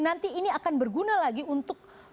nanti ini akan berguna lagi untuk